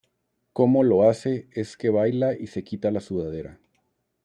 Cómo lo hace es que baila y se quita la sudadera.